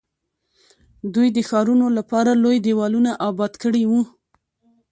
دوی د ښارونو لپاره لوی دیوالونه اباد کړي وو.